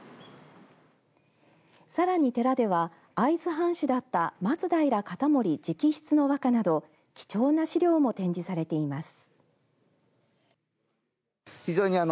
さらに、寺では会津藩主だった松平容保直筆の和歌など貴重な資料も展示されています。